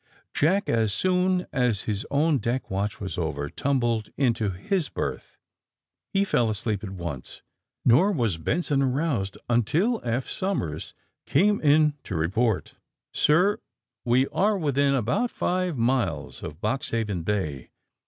Jack, as soon as his own deck watch was over, tumbled into his berth. He fell asleep at once. Nor was Benson aronsed nntil Eph Somers came in to report: ^^Sir, we are within abont five miles of Box haven Bay.